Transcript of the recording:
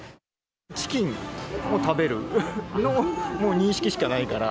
チキンを食べる認識しかないから。